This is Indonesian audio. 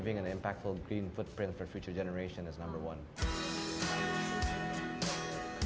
dan meninggalkan footprint hijau yang berpengaruh untuk generasi depan adalah yang pertama